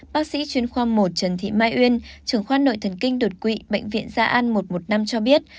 bác sĩ chuyên khoa một trần thị mai uyên trưởng khoa nội thần kinh đột quỵ bệnh viện gia an một trăm một mươi năm cho biết